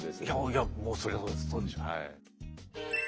いやもうそりゃそうでしょう。